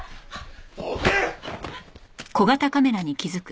どけ！